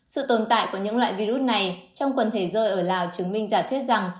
sự tồn tại của những loại virus này trong quần thể rơi ở lào chứng minh giả thuyết rằng